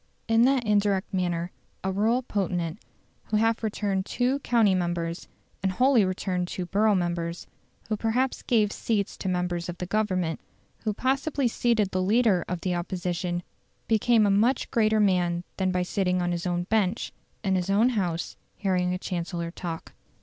In that indirect manner a rural potentate, who half returned two county members, and wholly returned two borough members, who perhaps gave seats to members of the Government, who possibly seated the leader of the Opposition, became a much greater man than by sitting on his own bench, in his own House, hearing a Chancellor talk.